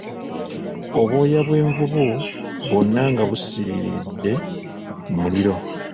Obwoya bw'envubu bwonna nga busiriride mu muliro.